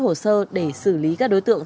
hồ sơ để xử lý các đối tượng